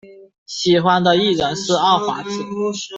喜欢的艺人是奥华子。